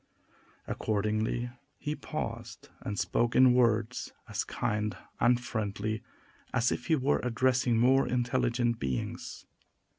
Accordingly, he paused, and spoke in words as kind and friendly as if he were addressing more intelligent beings.